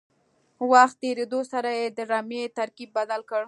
وخت تېرېدو سره یې د رمې ترکیب بدل کړ.